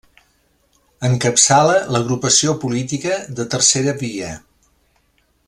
Encapçala l’agrupació política de Tercera Via.